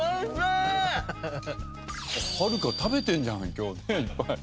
はるか食べてるじゃん今日いっぱい。